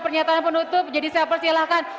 pernyataan penutup jadi saya persilahkan